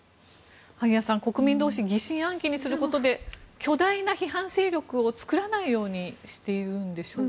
萩谷さん、国民同士疑心暗鬼にすることで巨大な批判勢力を作らないようにしているんでしょうか。